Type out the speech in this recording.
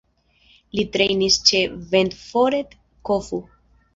Li trejnis ĉe Ventforet Kofu.